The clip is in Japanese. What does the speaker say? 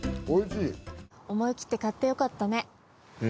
思い切って買ってよかったね。